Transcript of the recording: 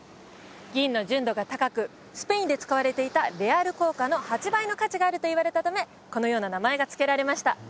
銀の純度が高くスペインで使われていたレアル硬貨の８倍の価値があるといわれたためこのような名前が付けられました